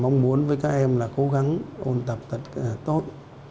mong muốn với các em là cố gắng ôn tập thật tốt